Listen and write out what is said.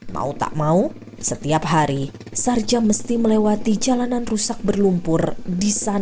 mau tak mau setiap hari sarja mesti melewati jalanan rusak berlumpur di sana